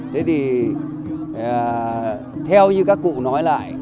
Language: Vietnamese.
thế thì theo như các cụ nói lại